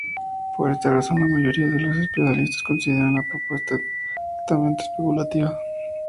Por esa razón la mayoría de los especialistas consideran la propuesta altamente especulativa.